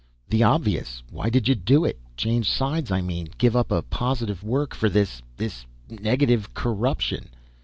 "The obvious. Why did you do it? Change sides I mean. Give up a positive work, for this ... this negative corruption...."